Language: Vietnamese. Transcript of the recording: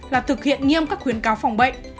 là thực hiện nghiêm các khuyến cáo phòng bệnh